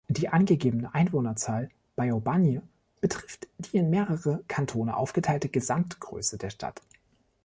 Die angegebene Einwohnerzahl bei Aubagne betrifft die in mehrere Kantone aufgeteilte Gesamtgröße der Stadt.